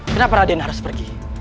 kenapa raden harus pergi